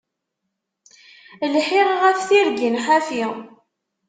Lḥiɣ ɣef tirgin ḥafi.